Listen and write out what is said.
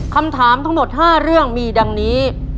คำถามทั้งหมด๕เรื่องมีดังนี้